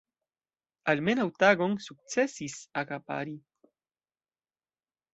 Almenaŭ tagon sukcesis akapari.